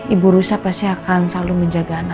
ibu rusa pasti akan selalu menjaga anaknya